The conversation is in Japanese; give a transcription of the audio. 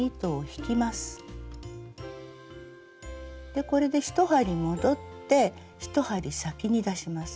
でこれで１針戻って１針先に出します。